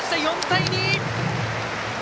４対２。